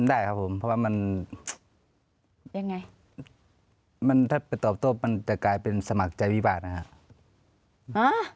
ได้ครับผมเพราะว่ามันจะกลายเป็นสมัครใจวิบาตนะครับ